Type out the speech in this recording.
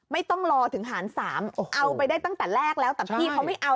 ไม่ต้องรอถึงหาร๓เอาไปได้ตั้งแต่แรกแล้วแต่พี่เขาไม่เอา